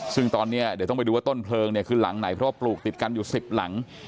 ซึ่งตอนนี้เดี๋ยวต้องไปดูว่าต้นเพลิงเนี่ยคือหลังไหนเพราะปลูกติดกันอยู่๑๐หลัง